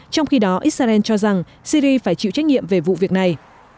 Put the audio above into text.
trong khi đó israel cho rằng syri phải chịu trách nhiệm về vụ việc này